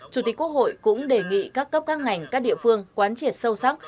chủ tịch quốc hội cũng đề nghị các cấp các ngành các địa phương quán triệt sâu sắc